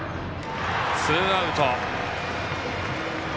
ツーアウト。